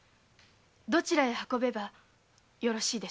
どちらへ運べばよろしいでしょうか？